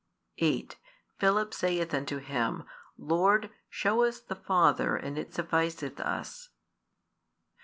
8 Philip saith unto Him, Lord, shew us the Father, and it sufficeth us.